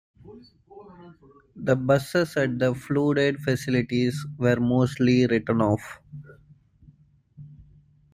The buses at the flooded facilities were mostly written off.